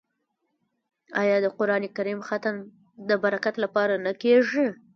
آیا د قران کریم ختم د برکت لپاره نه کیږي؟